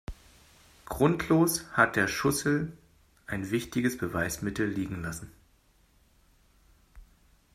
Grundlos hat der Schussel ein wichtiges Beweismittel liegen lassen.